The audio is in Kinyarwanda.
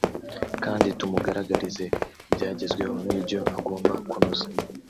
kandi tumugaragarize ibyagezweho n’ibyo agomba kunoza